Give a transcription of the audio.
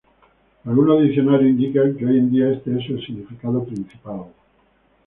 Algunos diccionarios indican que hoy en día este es el significado principal.